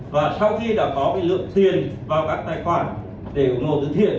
và sau khi đã có lượm tiền vào các tài khoản để ủng hộ từ thiện